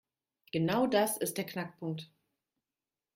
Genau das ist der Knackpunkt.